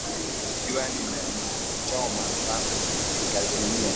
Jua lilimchoma sana akazimia